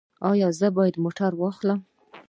ایا زه باید موټر واخلم؟